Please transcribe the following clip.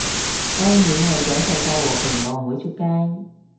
當然，為咗世界和平我唔會出街